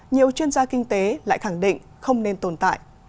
nhiều chuyên gia kinh tế lại khẳng định không nên tồn tại